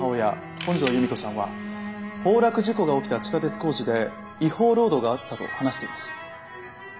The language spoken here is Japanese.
本庄由美子さんは崩落事故が起きた地下鉄工事で違法労働があったと話しています。